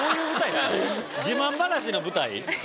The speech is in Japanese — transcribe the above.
自慢話の舞台？